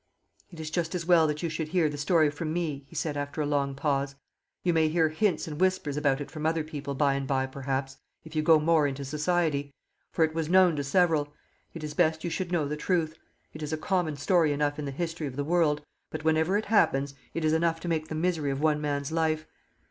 "It is just as well that you should hear the story from me," he said, after a long pause. "You may hear hints and whispers about it from other people by and by perhaps, if you go more into society; for it was known to several. It is best you should know the truth. It is a common story enough in the history of the world; but whenever it happens, it is enough to make the misery of one man's life.